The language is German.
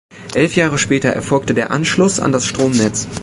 Elf Jahre später erfolgte der Anschluss an das Stromnetz.